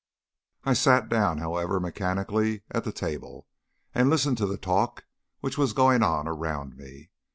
I sat down, however, mechanically at the table, and listened to the talk which was going on around me.